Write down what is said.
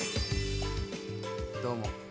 どうも。